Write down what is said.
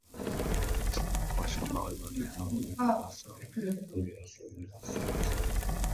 This interpretation, however, is not universally agreed upon within the scientific community.